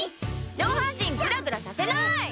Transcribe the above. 上半身グラグラさせない。